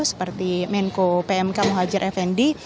seperti menko pmk muhajir effendi